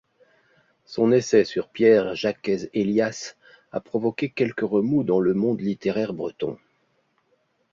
Son essai sur Pierre-Jakez Hélias a provoqué quelques remous dans le monde littéraire breton.